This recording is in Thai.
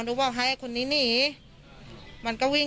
จนกระทั่งหลานชายที่ชื่อสิทธิชัยมั่นคงอายุ๒๙เนี่ยรู้ว่าแม่กลับบ้าน